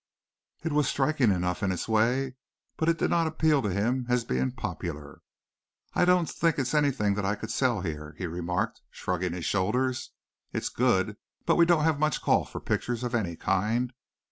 It was striking enough in its way but it did not appeal to him as being popular. "I don't think it's anything that I could sell here," he remarked, shrugging his shoulders. "It's good, but we don't have much call for pictures of any kind.